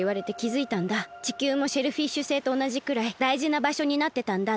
地球もシェルフィッシュ星とおなじくらいだいじなばしょになってたんだって。